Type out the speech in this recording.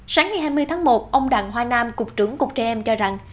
sáng ngày hai mươi tháng một ông đặng hoa nam cục trưởng cục trẻ em cho rằng